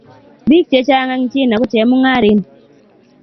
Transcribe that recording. Biik chechang eng China ko chemung'arin